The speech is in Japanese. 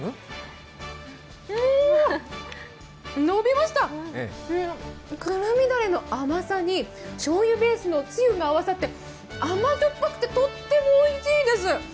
伸びました、くるみだれの甘さにしょうゆベースのつゆが合わさってあまじょっぱくてとってもおいしいです。